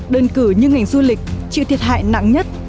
đơn cử như ngành du lịch chịu thiệt hại nặng nhất